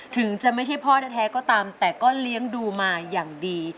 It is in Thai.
ถึงจะไม่ใช่พ่อแท้ก็ตามแต่ก็เลี้ยงดูมาอย่างดี